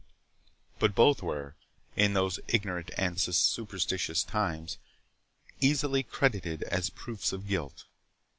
But both were, in those ignorant and superstitions times, easily credited as proofs of guilt.